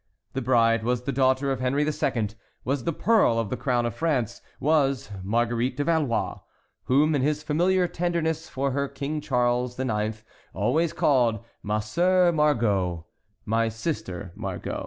The bride was the daughter of Henry II., was the pearl of the crown of France, was Marguerite de Valois, whom in his familiar tenderness for her King Charles IX. always called "ma sœur Margot," "my sister Margot."